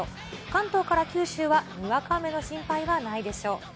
関東から九州はにわか雨の心配はないでしょう。